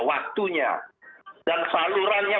waktunya dan salurannya